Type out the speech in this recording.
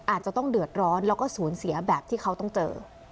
อาจจะต้องเดือดร้อนแล้วก็สูญเสียแบบที่เขาต้องเจอ